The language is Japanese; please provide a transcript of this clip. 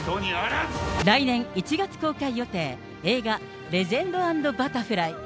来年１月公開予定、映画レジェンド＆バタフライ。